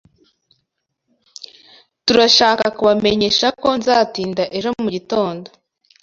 Turashaka kubamenyesha ko nzatinda ejo mugitondo.